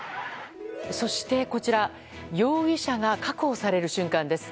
そしてこちら容疑者が確保される瞬間です。